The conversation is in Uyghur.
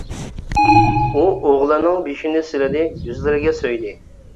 ئۇ ئوغلىنىڭ بېشىنى سىلىدى، يۈزلىرىگە سۆيدى.